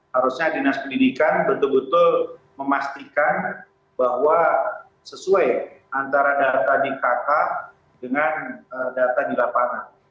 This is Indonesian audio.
harusnya dinas pendidikan betul betul memastikan bahwa sesuai antara data di kk dengan data di lapangan